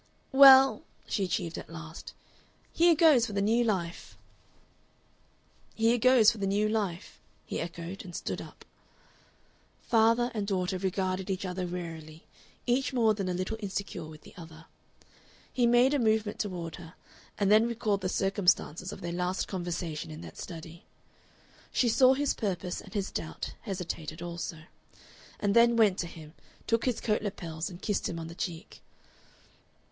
"Well," she achieved at last. "Here goes for the new life!" "Here goes for the new life," he echoed and stood up. Father and daughter regarded each other warily, each more than a little insecure with the other. He made a movement toward her, and then recalled the circumstances of their last conversation in that study. She saw his purpose and his doubt hesitated also, and then went to him, took his coat lapels, and kissed him on the cheek.